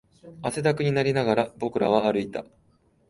汗だくになりながら、僕らは歩いた